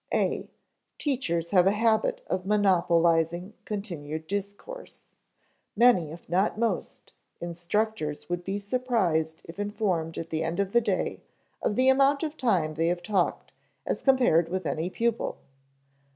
(a) Teachers have a habit of monopolizing continued discourse. Many, if not most, instructors would be surprised if informed at the end of the day of the amount of time they have talked as compared with any pupil.